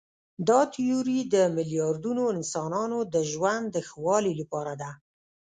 دا تیوري د میلیاردونو انسانانو د ژوند د ښه والي لپاره ده.